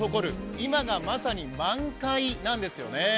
今がまさに満開なんですよね。